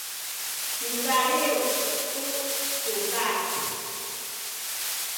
micaliw tu cudad